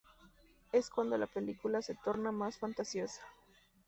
Es cuando la película se torna más fantasiosa.